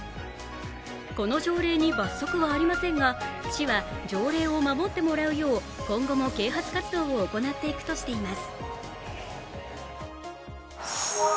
この条例に罰則はありませんが市は条例を守ってもらうよう、今後も啓発活動を行っていくとしています。